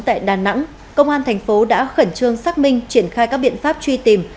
tại đà nẵng công an thành phố đã khẩn trương xác minh triển khai các biện pháp truy tìm